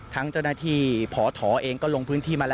ทั้งเจ้าหน้าที่พอถอเองก็ลงพื้นที่มาแล้ว